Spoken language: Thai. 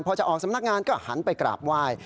พอจะออกสำนักงานก็หันไปกราบไหว้